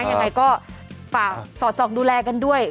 ยังไงก็ฝากสอดส่องดูแลกันด้วย